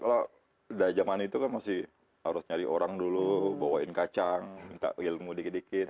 kalau dari zaman itu kan masih harus nyari orang dulu bawain kacang minta ilmu dikit dikit